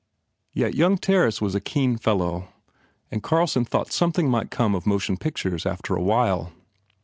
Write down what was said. Yet young Terriss was a keen fellow and Carlson thought some thing ought come of motion pictures after a while.